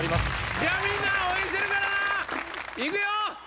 じゃあ、みんな、応援してるから、いくよ！